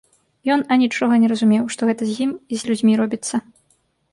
Ён анічога не разумеў, што гэта з ім і з людзьмі робіцца.